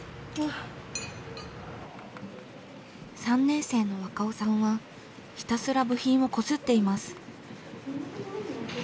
３年生の若尾さんはひたすら部品をこすっています。